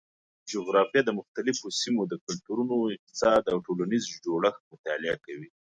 جغرافیه د مختلفو سیمو د کلتورونو، اقتصاد او ټولنیز جوړښت مطالعه کوي.